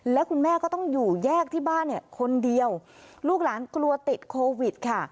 และคุณแม่ก็ต้องอยู่แยกที่บ้านเนี่ยคนเดียวลูกหลานกลัวติดโควิดค่ะ